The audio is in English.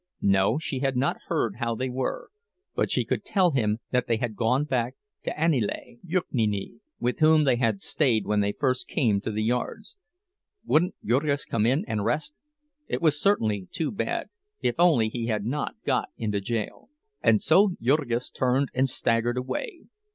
No, she had not heard how they were, but she could tell him that they had gone back to Aniele Jukniene, with whom they had stayed when they first came to the yards. Wouldn't Jurgis come in and rest? It was certainly too bad—if only he had not got into jail— And so Jurgis turned and staggered away.